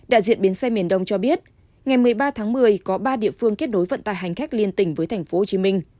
đại diện biến xe miền đông cho biết ngày một mươi ba tháng một mươi có ba địa phương kết nối vận tải hành khách liên tình với tp hcm